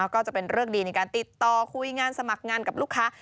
ก็จะเป็นเรื่องดีในการติดต่อคุยงานสมัครงานกับลูกค้า